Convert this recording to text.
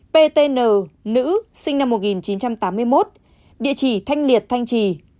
ptn nữ sinh năm một nghìn chín trăm tám mươi một địa chỉ thanh liệt thanh trì